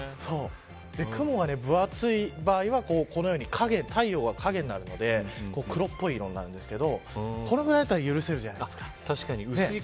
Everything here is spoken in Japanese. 雲が分厚い場合はこのように太陽が影になるので黒っぽい色になるんですけどこのぐらいだったら許せるじゃないですか。